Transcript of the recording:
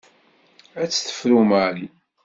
Ad tt-tefru Marie.